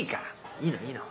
いいのいいの。